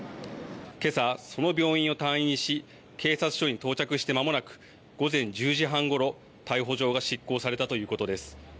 けさ、その病院を退院し警察署に到着してまもなく午前１０時半ごろ逮捕状が執行されたということです。